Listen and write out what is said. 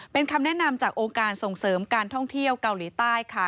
เป็นคำแนะนำจากองค์การส่งเสริมการท่องเที่ยวเกาหลีใต้ค่ะ